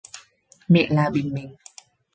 Mẹ là bình minh